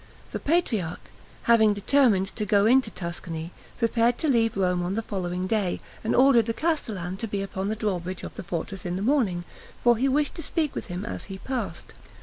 The patriarch, having determined to go into Tuscany, prepared to leave Rome on the following day, and ordered the castellan to be upon the drawbridge of the fortress in the morning, for he wished to speak with him as he passed.